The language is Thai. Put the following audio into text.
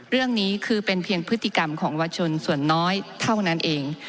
เรื่องนี้คือเป็นเพียงพฤติกรรมของวัชนส่วนน้อยเท่านั้นเอง